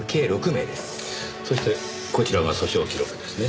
そしてこちらが訴訟記録ですね？